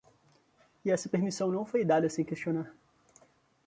E essa permissão não foi dada sem questionar.